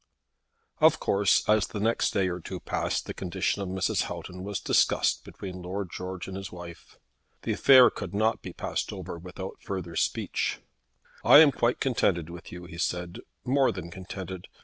Of course as the next day or two passed by, the condition of Mrs. Houghton was discussed between Lord George and his wife. The affair could not be passed over without further speech. "I am quite contented with you," he said; "more than contented.